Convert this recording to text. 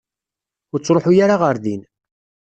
Ur ttṛuḥu ara ɣer din.